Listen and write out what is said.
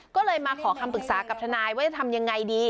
ก็เลยมาขอคำปรึกษากับทนายว่าจะทำยังไงดี